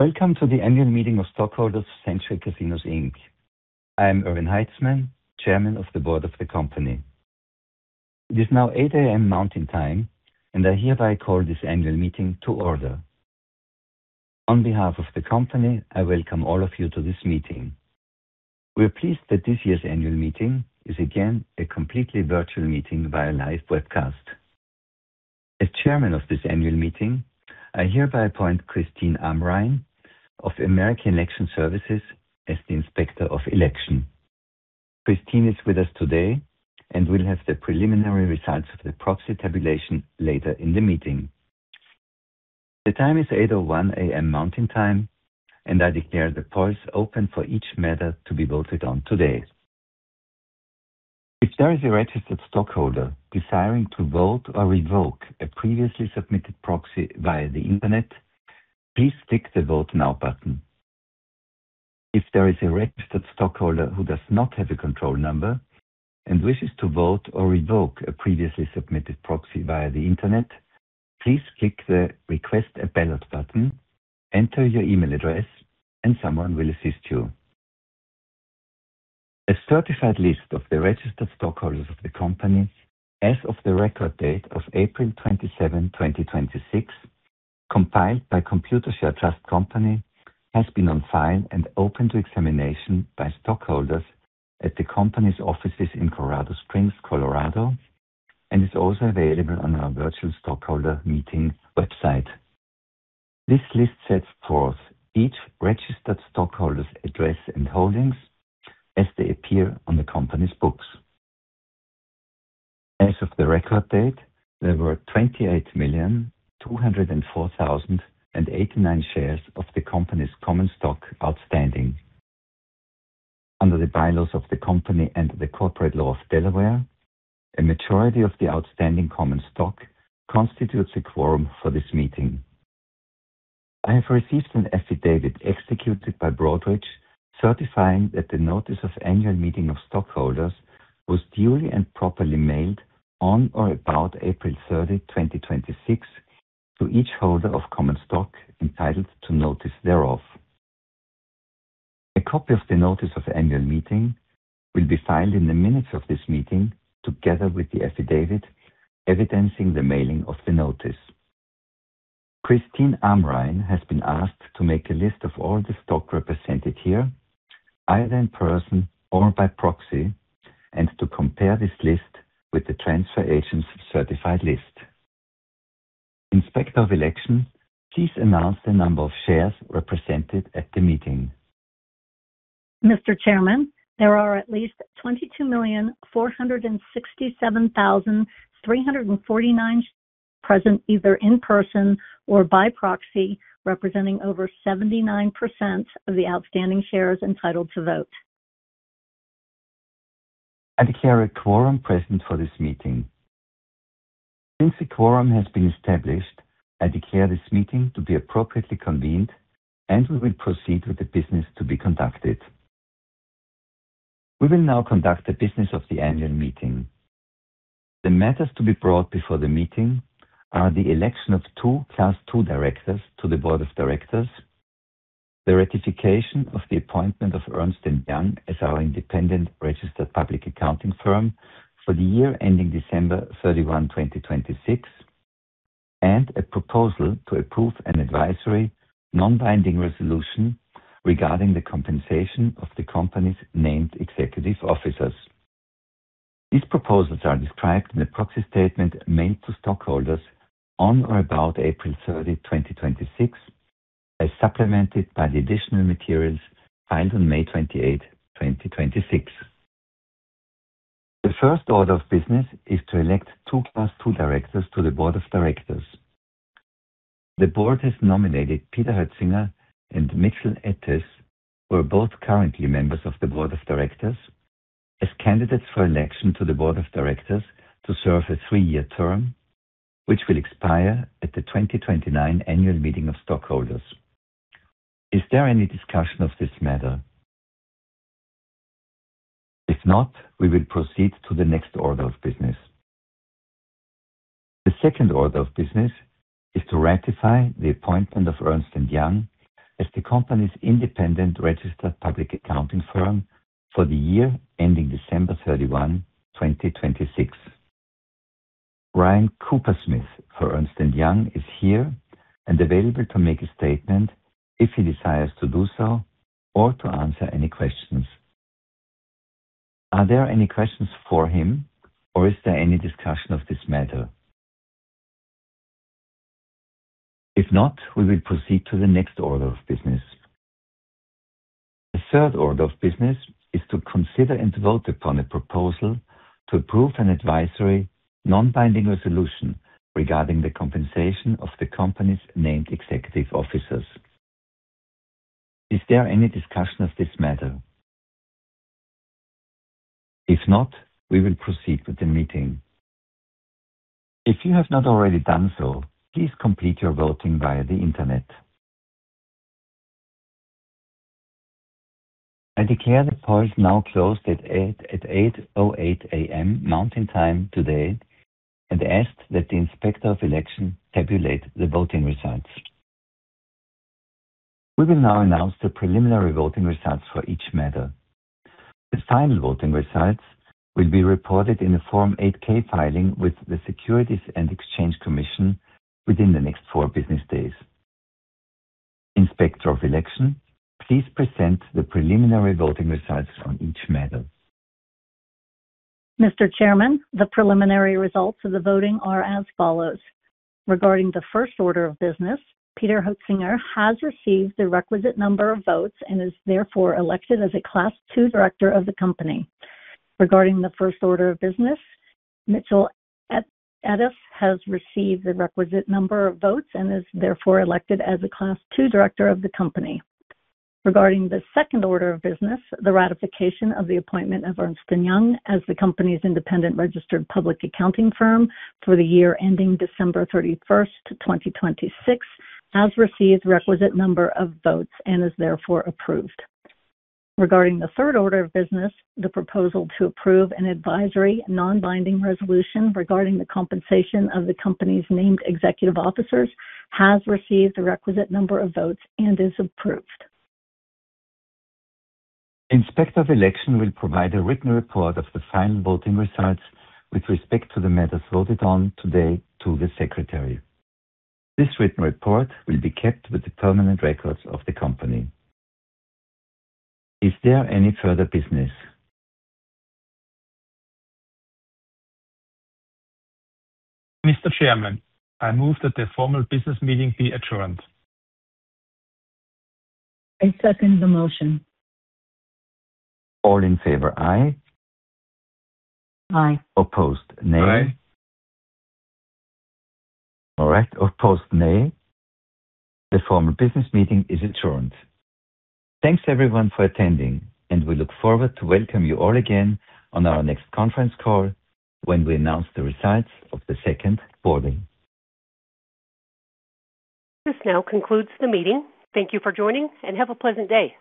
Welcome to the annual meeting of stockholders of Century Casinos, Inc. I am Erwin Haitzmann, Chairman of the Board of the company. It is now 8:00 A.M. Mountain Time. I hereby call this annual meeting to order. On behalf of the company, I welcome all of you to this meeting. We are pleased that this year's annual meeting is again a completely virtual meeting via live webcast. As Chairman of this annual meeting, I hereby appoint Christine Amrhein of American Election Services as the Inspector of Election. Christine is with us today and will have the preliminary results of the proxy tabulation later in the meeting. The time is 8:01 A.M. Mountain Time. I declare the polls open for each matter to be voted on today. If there is a registered stockholder desiring to vote or revoke a previously submitted proxy via the internet, please click the Vote Now button. If there is a registered stockholder who does not have a control number and wishes to vote or revoke a previously submitted proxy via the internet, please click the Request a Ballot button, enter your email address, and someone will assist you. A certified list of the registered stockholders of the company as of the record date of April 27, 2026, compiled by Computershare Trust Company, has been on file and open to examination by stockholders at the company's offices in Colorado Springs, Colorado, and is also available on our virtual stockholder meeting website. This list sets forth each registered stockholder's address and holdings as they appear on the company's books. As of the record date, there were 28,204,089 shares of the company's common stock outstanding. Under the bylaws of the company and the corporate law of Delaware, a majority of the outstanding common stock constitutes a quorum for this meeting. I have received an affidavit executed by Broadridge certifying that the notice of annual meeting of stockholders was duly and properly mailed on or about April 30, 2026, to each holder of common stock entitled to notice thereof. A copy of the notice of annual meeting will be filed in the minutes of this meeting, together with the affidavit evidencing the mailing of the notice. Christine Amrhein has been asked to make a list of all the stock represented here, either in person or by proxy, and to compare this list with the transfer agent's certified list. Inspector of Election, please announce the number of shares represented at the meeting. Mr. Chairman, there are at least 22,467,349 present, either in person or by proxy, representing over 79% of the outstanding shares entitled to vote. I declare a quorum present for this meeting. Since a quorum has been established, I declare this meeting to be appropriately convened, and we will proceed with the business to be conducted. We will now conduct the business of the annual meeting. The matters to be brought before the meeting are the election of two Class II directors to the board of directors, the ratification of the appointment of Ernst & Young as our independent registered public accounting firm for the year ending December 31, 2026, and a proposal to approve an advisory, non-binding resolution regarding the compensation of the company's named executive officers. These proposals are described in the proxy statement mailed to stockholders on or about April 30, 2026, as supplemented by the additional materials filed on May 28, 2026. The first order of business is to elect two Class II directors to the board of directors. The board has nominated Peter Hoetzinger and Mitchell Etess, who are both currently members of the board of directors, as candidates for election to the board of directors to serve a three-year term, which will expire at the 2029 annual meeting of stockholders. Is there any discussion of this matter? If not, we will proceed to the next order of business. The second order of business is to ratify the appointment of Ernst & Young as the company's independent registered public accounting firm for the year ending December 31, 2026. Ryan Cupersmith for Ernst & Young is here and available to make a statement if he desires to do so or to answer any questions. Are there any questions for him, or is there any discussion of this matter? If not, we will proceed to the next order of business. The third order of business is to consider and vote upon a proposal to approve an advisory, non-binding resolution regarding the compensation of the company's named executive officers. Is there any discussion of this matter? If not, we will proceed with the meeting. If you have not already done so, please complete your voting via the internet. I declare the polls now closed at 8:08 A.M. Mountain Time today, and ask that the Inspector of Election tabulate the voting results. We will now announce the preliminary voting results for each matter. The final voting results will be reported in a Form 8-K filing with the Securities and Exchange Commission within the next four business days. Inspector of Election, please present the preliminary voting results on each matter. Mr. Chairman, the preliminary results of the voting are as follows. Regarding the first order of business, Peter Hoetzinger has received the requisite number of votes and is therefore elected as a Class II Director of the company. Regarding the first order of business, Mitchell Etess has received the requisite number of votes and is therefore elected as a Class II Director of the company. Regarding the second order of business, the ratification of the appointment of Ernst & Young as the company's independent registered public accounting firm for the year ending December 31st, 2026, has received requisite number of votes and is therefore approved. Regarding the third order of business, the proposal to approve an advisory, non-binding resolution regarding the compensation of the company's named executive officers has received the requisite number of votes and is approved. Inspector of Election will provide a written report of the final voting results with respect to the matters voted on today to the Secretary. This written report will be kept with the permanent records of the company. Is there any further business? Mr. Chairman, I move that the formal business meeting be adjourned. I second the motion. All in favor, aye. Aye. Opposed, nay. Aye. All right. Opposed, nay. The formal business meeting is adjourned. Thanks, everyone, for attending, and we look forward to welcome you all again on our next conference call when we announce the results of the second voting. This now concludes the meeting. Thank you for joining, and have a pleasant day.